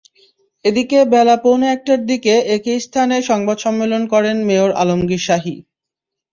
এদিকে বেলা পৌনে একটার দিকে একই স্থানে সংবাদ সম্মেলন করেন মেয়র আলমগীর শাহী।